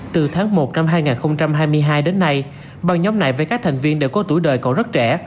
từ tháng một năm hai nghìn hai mươi hai đến nay băng nhóm này với các thành viên đều có tuổi đời còn rất trẻ